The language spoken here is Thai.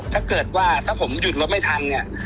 ถ้าเกิดว่าถ้าผมหยุดรถไม่ทันเนี่ย